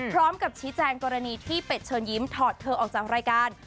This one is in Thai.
พร้อมกับชี้แจงกรณีที่เป็ดเชิญยิ้มถอดเธอออกจากรายการ